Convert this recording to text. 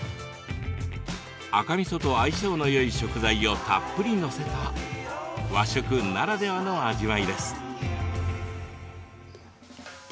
赤みそと相性のよい食材をたっぷり載せた和食ならではの味わいです。